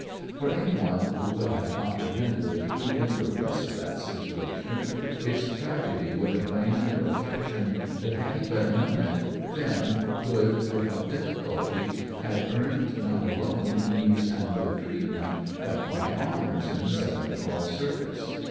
For any one who could have comprehended the true inwardness of that situation, its tragedy would have lain in the reflection that, had he but known it, Finn could without difficulty have earned not alone ease and good treatment, but high honours in the Southern Cross Circus.